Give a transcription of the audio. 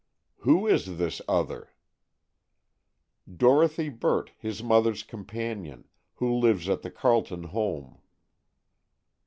"Who is this other?" "Dorothy Burt, his mother's companion, who lives at the Carleton home."